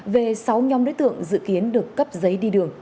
về sáu nhóm đối tượng dự kiến được cấp giấy đi đường